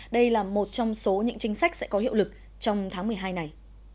đây là một trong số những chính sách sẽ có hiệu lực trong tháng một mươi hai này